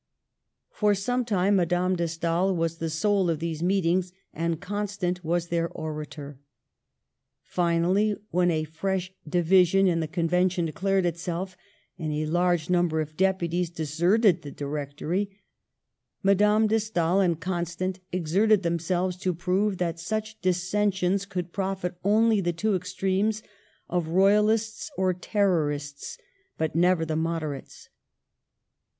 For some time Madame de Stael was the soul of these meetings, and Constant was their orator. Finally, when a fresh division in the Convention declared itself, and a large num ber of deputies deserted the Directory, Madame de Stael and Constant exerted themselves to prove that such dissensions could profit only the two extremes of Royalists or Terrorists, but never the Moderates.